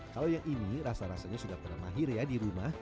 kalau yang ini rasa rasanya sudah pernah mahir ya di rumah